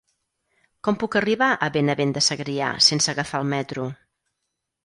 Com puc arribar a Benavent de Segrià sense agafar el metro?